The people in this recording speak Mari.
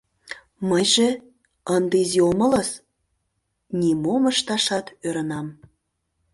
— Мыйже... ынде изи омылыс... — нимом ышташат ӧрынам.